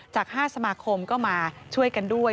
จาก๕สมาคมก็มาช่วยกันด้วย